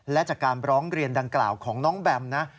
และจากการร้องเรียนดังกล่าวของน้องแบมนะ